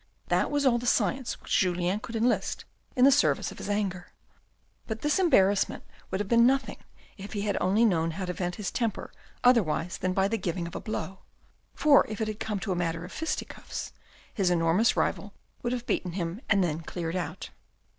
That was all the science which Julien could enlist in the service of his anger. But this embarrassment would have been nothing if he had only known how to vent his temper otherwise than by the giving of a blow, for if it had come to a matter of fisticuffs, his enormous rival would have beaten him and then cleared out.